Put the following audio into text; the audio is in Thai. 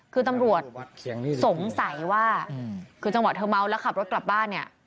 คือตำรวจสงสัยว่าคือจังหวะเธอเมาแล้วขับรถกลับบ้านเนี่ย